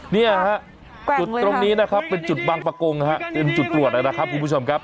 เนี่ยฮะจุดตรงนี้นะครับเป็นจุดบางประกงนะฮะเป็นจุดตรวจนะครับคุณผู้ชมครับ